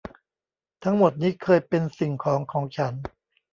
ทั้งหมดนี้เคยเป็นสิ่งของของฉัน